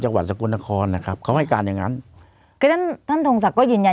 จังหวัดสกลนครนะครับเขาให้การอย่างงั้นคือท่านท่านทงศักดิ์ยืนยัน